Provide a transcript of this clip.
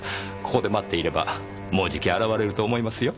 ここで待っていればもうじき現れると思いますよ。